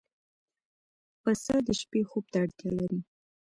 پسه د شپې خوب ته اړتیا لري.